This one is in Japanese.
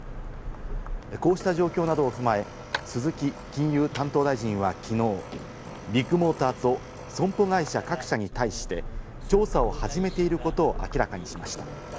こうした状況などを踏まえ、鈴木金融担当大臣はきのう、ビッグモーターと損保会社各社に対して調査を始めていることを明らかにしました。